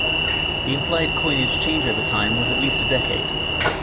The implied coinage changeover time was at least a decade.